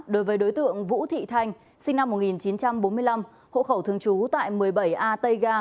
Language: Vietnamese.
đối với đối tượng vũ thị thanh sinh năm một nghìn chín trăm bốn mươi năm hộ khẩu thường trú tại một mươi bảy a tây ga